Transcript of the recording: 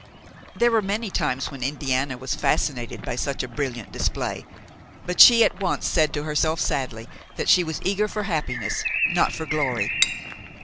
There were many times when Indiana was fascinated by such a brilliant display; but she at once said to herself sadly that she was eager for happiness, not for glory.